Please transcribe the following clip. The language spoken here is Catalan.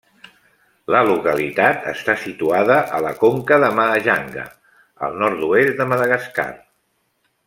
La localitat està situada a la conca de Mahajanga, al nord-oest de Madagascar.